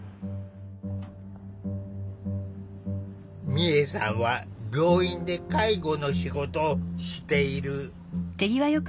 美恵さんは病院で介護の仕事をしている。